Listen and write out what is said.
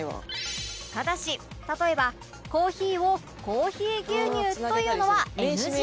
ただし例えば「コーヒー」を「コーヒー牛乳」と言うのは ＮＧ！